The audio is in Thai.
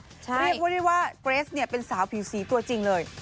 เรียกว่าได้ว่าเกรสเนี่ยเป็นสาวผิวสีตัวจริงเลย